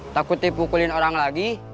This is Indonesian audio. takut dipukulin orang lagi